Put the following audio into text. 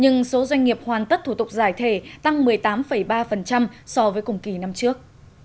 nhưng số doanh nghiệp hoàn tất thủ tục giải thể tăng một mươi tám ba so với cùng kỳ năm trước